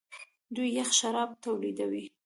دوی یخ شراب تولیدوي.